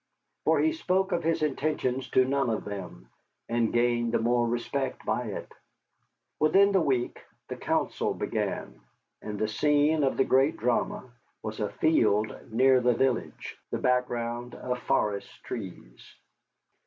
For he spoke of his intentions to none of them, and gained the more respect by it. Within the week the council began; and the scene of the great drama was a field near the village, the background of forest trees.